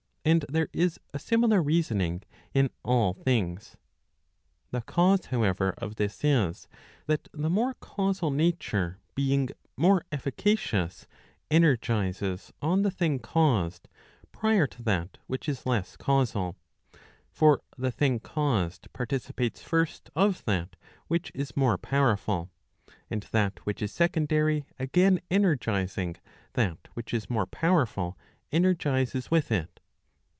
And there is a similar reasoning in all things. The cause, however, of this is, that the more causal nature being more efficacious, energizes on the thing caused * prior [to that which is less causal]. For the thing caused participates first of that which is more powerful. And that which is secondary again energizing, that which is more powerful energizes with it.